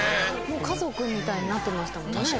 家族みたいになってましたもんね。